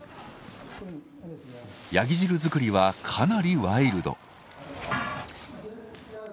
ヤギ汁作りはかなりワイルド。